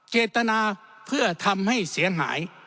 เจตนาเพื่อทำให้เสียหาย